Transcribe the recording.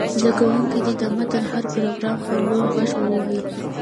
زده کوونکي دې د متن هر پراګراف په لوړ غږ ووايي.